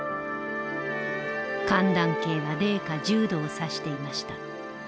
寒暖計は零下１０度を指していました。